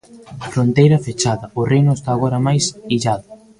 Fronteira fechada: o reino está agora máis illado.